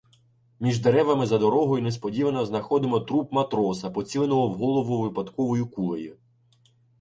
Між деревами за дорогою несподівано знаходимо труп матроса, поціленого в голову випадковою кулею.